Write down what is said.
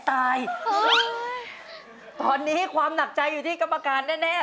ให้เธอเข้ามานั่งนอนเดินข้างในใจ